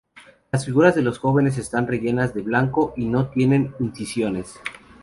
Las figuras de los jóvenes están rellenas de blanco y no tienen incisiones.